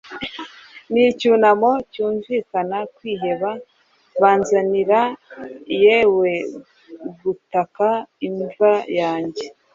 N'icyunamo cyunvikana Kwiheba Banzanira yew gutaka imva yanjye